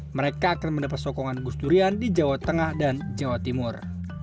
mereka akan mendapat sokongan gus durian di jawa tengah dan jawa timur